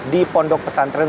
di pondok pesantren tebu ireng